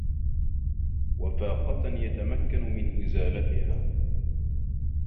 وَفَاقَةً يَتَمَكَّنُ مِنْ إزَالَتِهَا